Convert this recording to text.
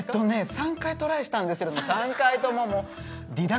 ３回トライしたんですけども３回とももう。